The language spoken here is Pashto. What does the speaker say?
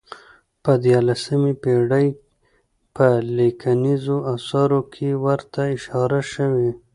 په دیارلسمې پېړۍ په لیکنیزو اثارو کې ورته اشاره شوې.